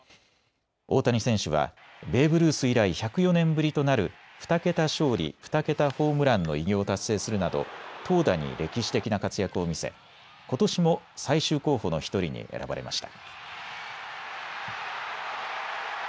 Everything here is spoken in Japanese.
大谷選手はベーブ・ルース以来、１０４年ぶりとなる２桁勝利、２桁ホームランの偉業を達成するなど投打に歴史的な活躍を見せ、ことしも最終候補の１人に選ばれました。